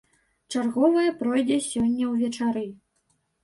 Чарговая пройдзе сёння ўвечары.